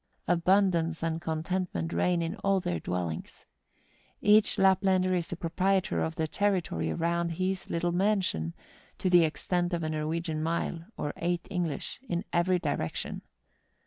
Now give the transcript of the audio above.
Abundance and contentment reign in all their dwellings. Each Laplander is the proprietor of the territory around his little mansion, to the ex¬ tent of a Norwegian mile, or eight English, in every direction.